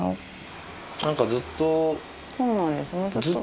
何かずっと。